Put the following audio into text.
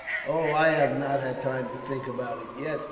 "Oh, I have not had time to think about it, yet!"